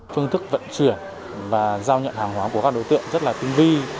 phương thức vận chuyển và giao nhận hàng hóa của các đối tượng rất là tinh vi